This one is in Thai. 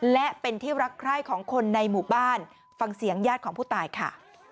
และเป็นที่รักใคร่ของคนในหมู่บ้านฟังเสียงญาติของผู้ตายค่ะ